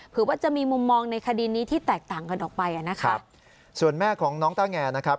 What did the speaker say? เผื่อว่าจะมีมุมมองในคดีนี้ที่แตกต่างกันออกไปอ่ะนะคะส่วนแม่ของน้องต้าแงนะครับ